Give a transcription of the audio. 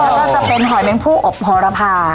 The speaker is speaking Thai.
แล้วก็จะเป็นหอยแมงผู้อบโหรพา